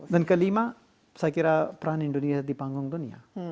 dan kelima saya kira peran indonesia di panggung dunia